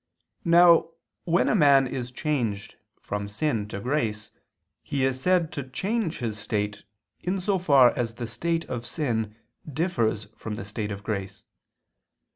Now when a man is changed from sin to grace, he is said to change his state, in so far as the state of sin differs from the state of grace.